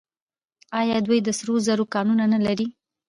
آیا دوی د سرو زرو کانونه نلري؟